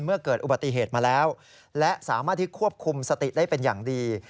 เมื่อเกิดอุบัติเหตุมาแล้วและสามารถที่ควบคุมสติได้เป็นอย่างดี